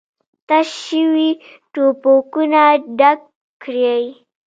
تش شوي ټوپکونه ډک کړئ!